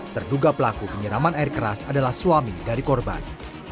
terduga pelaku penyiraman air keras adalah suami dari korban